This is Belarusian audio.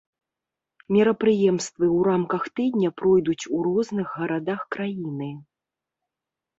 Мерапрыемствы ў рамках тыдня пройдуць у розных гарадах краіны.